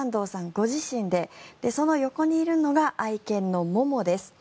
ご自身でその横にいるのが愛犬のモモです。